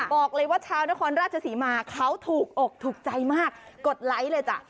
บอกเลยว่าชาวนครราชศรีมาเขาถูกอกถูกใจมากกดไลค์เลยจ้ะ